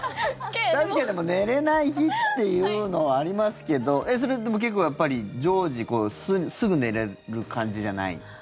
確かに寝れない日っていうのはありますけどそれって結構やっぱり常時すぐ寝れる感じじゃない？